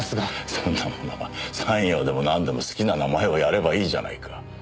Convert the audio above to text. そんなものは参与でもなんでも好きな名前をやればいいじゃないか。